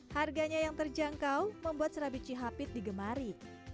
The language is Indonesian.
harganya yang terjangkau membuat serabici hapit digemari